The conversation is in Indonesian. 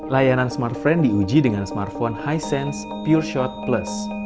layanan smartfren diuji dengan smartphone hisense pureshot plus